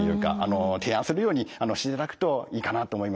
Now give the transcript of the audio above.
提案するようにしていただくといいかなと思いますね。